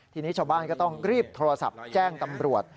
ทีนี้ชาวบ้านก็ต้องรีบโทรศัพท์แจ้งตำรวจ